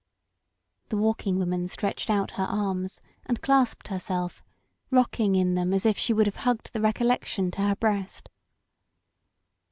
The Walldng Woman stretched out her arms and clasped herself, rocking in them as if she would have hugged the recollection to her breast.